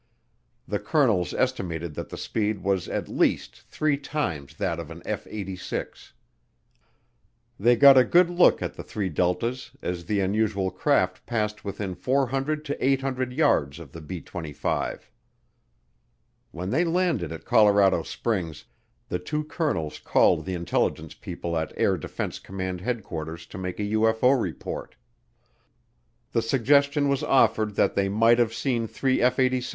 The colonels estimated that the speed was at least three times that of an F 86. They got a good look at the three deltas as the unusual craft passed within 400 to 800 yards of the B 25. When they landed at Colorado Springs, the two colonels called the intelligence people at Air Defense Command Headquarters to make a UFO report. The suggestion was offered that they might have seen three F 86's.